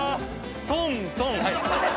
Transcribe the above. トントン。